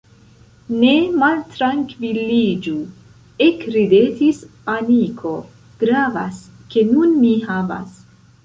Ne maltrankviliĝu – ekridetis Aniko – Gravas, ke nun mi havas.